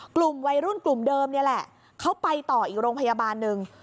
กลุ่มวัยรุ่นกลุ่มเดิมนี่แหละเขาไปต่ออีกโรงพยาบาลหนึ่ง